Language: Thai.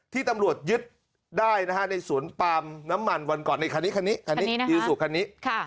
ที่ตำรวจยึดได้ในสวนปามน้ำมันวันก่อนในคันนี้